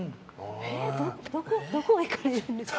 どこへ行かれるんですか？